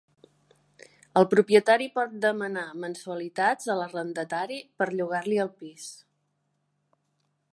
El propietari pot demanar mensualitats a l'arrendatari per llogar-li el pis